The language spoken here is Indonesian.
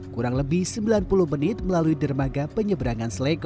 kurang lebih sembilan puluh menit melalui dermaga penyeberangan selego